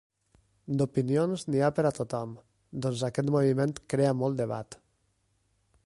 D’opinions, n’hi ha per a tothom, doncs aquest moviment crea molt debat.